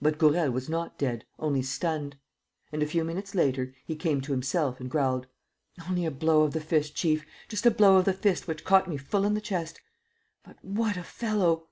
But Gourel was not dead, only stunned; and, a few minutes later, he came to himself and growled: "Only a blow of the fist, chief ... just a blow of the fist which caught me full in the chest. But what a fellow!"